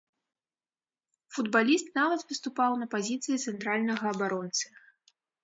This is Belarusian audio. Футбаліст нават выступаў на пазіцыі цэнтральнага абаронцы.